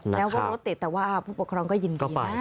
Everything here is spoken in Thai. แล้วก็รถติดแต่ว่าพวกพกรองก็ยินดีนะ